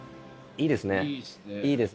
いいです。